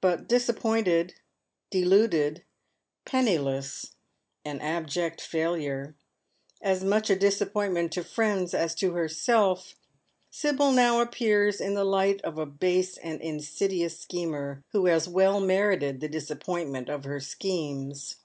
But disappointed, deluded, penniless, an abject failure — as much a disappointment to her friends as to herself — Sibyl now appears in the light of a base and insidious schemer, who has well merited the disappoint ment of her schemes.